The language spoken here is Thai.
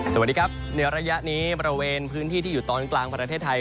สวัสดีครับในระยะนี้บริเวณพื้นที่ที่อยู่ตอนกลางประเทศไทย